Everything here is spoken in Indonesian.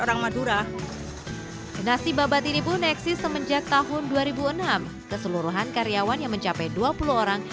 orang madura nasi babat ini pun eksis semenjak tahun dua ribu enam keseluruhan karyawan yang mencapai dua puluh orang